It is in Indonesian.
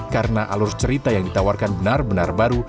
karena alur cerita yang ditawarkan benar benar baru